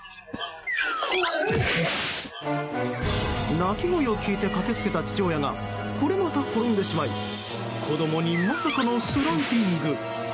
泣き声を聞いて駆け付けた父親がこれまた転んでしまい子供にまさかのスライディング。